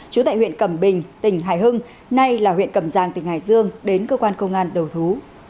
chú tại huyện cẩm bình tỉnh hải hưng nay là huyện cầm giang tỉnh hải dương đến cơ quan công an đầu thú